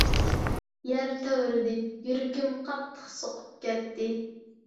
يەر تەۋرىدى، يۈرىكىم قاتتىق سوقۇپ كەتتى.